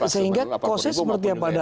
sehingga kursus seperti apa